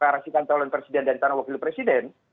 raksikan tolong presiden dan tuan wakil presiden